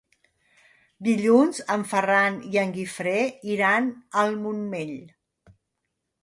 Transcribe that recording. Dilluns en Ferran i en Guifré iran al Montmell.